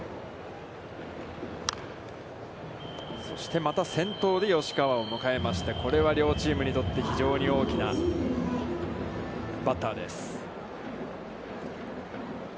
そしてまた先頭で吉川を迎えまして、これは両チームにとって非常に大きなバッターです。